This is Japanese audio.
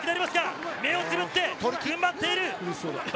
目をつぶって踏ん張っている！